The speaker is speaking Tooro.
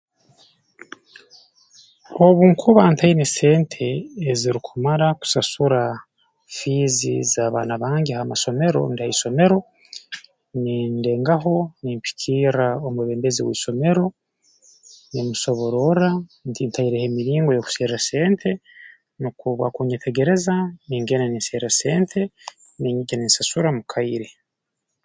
Obu nkuba ntaine sente ezirukumara kusasura fiizi z'abaana bange ha masomero rundi ha isomero nindengaho nimpikirra omwebembezi w'isomero nimusobororra nti ntaireho emiringo y'okuserra sente nukwo obu akunyetegereza ningenda ninserra sente ninyija ninsasura mu kaire